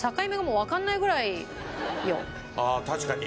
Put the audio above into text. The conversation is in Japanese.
ああ確かに。